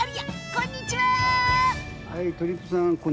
こんにちは！